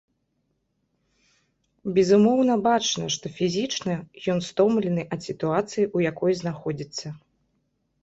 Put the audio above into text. Безумоўна, бачна, што фізічна ён стомлены ад сітуацыі, у якой знаходзіцца.